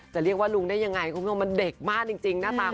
จะเรียกว่าลุงได้ยังไงคุณผู้ชมมันเด็กมากจริงหน้าตา